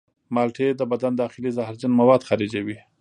مالټې د بدن داخلي زهرجن مواد خارجوي.